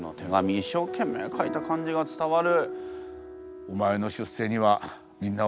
一生懸命書いた感じが伝わる。